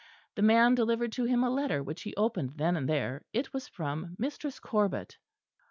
The man delivered to him a letter which he opened then and there. It was from Mistress Corbet.